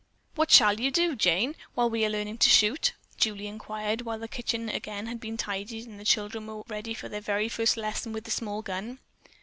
"What shall you do, Jane, while we are learning to shoot?" Julie inquired when the kitchen had again been tidied and the children were ready for their very first lesson with the small gun.